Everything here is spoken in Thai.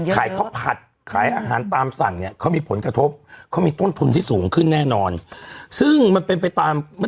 ขายข้าวผัดขายอาหารตามสั่งเนี่ยเขามีผลกระทบเขามีต้นทุนที่สูงขึ้นแน่นอนซึ่งมันเป็นไปตาม